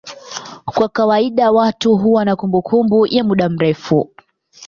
Kwa kawaida watu huwa na kumbukumbu ya muda mrefu.